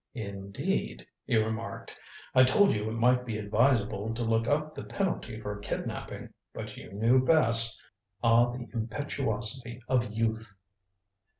"Indeed?" he remarked. "I told you it might be advisable to look up the penalty for kidnaping. But you knew best. Ah, the impetuosity of youth!"